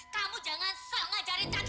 kamu jangan sok ngajarin tante